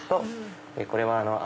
これはあ